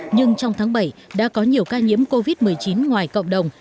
nhưng trong tháng bảy đã có nhiều ca nhiễm covid một mươi chín ngoài cộng đồng